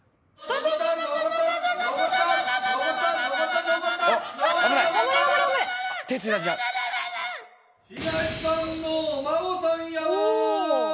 東さんのお孫さん山。